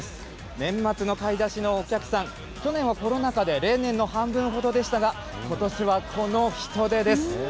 年末の買い出しのお客さん、去年はコロナ禍で、例年の半分ほどでしたが、ことしはこの人出です。